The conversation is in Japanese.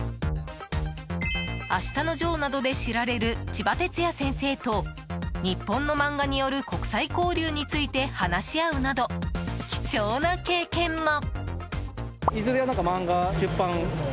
「あしたのジョー」などで知られる、ちばてつや先生と日本の漫画による国際交流について話し合うなど貴重な経験も。